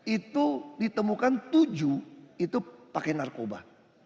itu ditemukan tujuh itu pakai narkoba